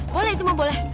boleh cuma boleh